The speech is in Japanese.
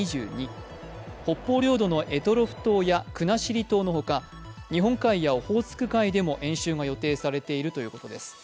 北方領土の択捉島や国後島のほか日本海やオホーツク海でも演習が予定されているということです。